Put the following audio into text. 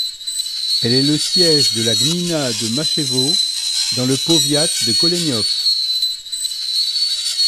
Elle est le siège de la gmina de Maszewo, dans le powiat de Goleniów.